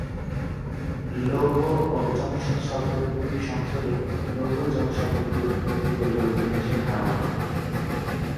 লৌহ ও জংশন শব্দ দু’টির সংযোগে লৌহজং শব্দটির উৎপত্তি বলে অধিকাংশের ধারণা।